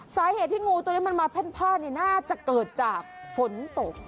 สาเหตุที่งูตัวนี้มันมาเพ่นผ้านี่น่าจะเกิดจากฝนตก